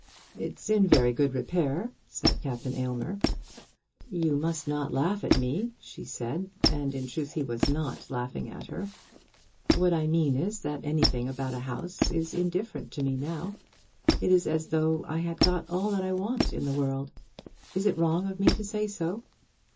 "It's in very good repair," said Captain Aylmer. "You must not laugh at me," she said; and in truth he was not laughing at her. "What I mean is that anything about a house is indifferent to me now. It is as though I had got all that I want in the world. Is it wrong of me to say so?"